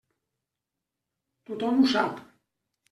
Tothom ho sap.